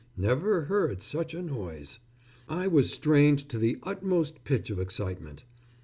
Never heard such a noise. I was strained to the utmost pitch of excitement.